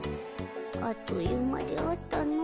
あっという間であったの。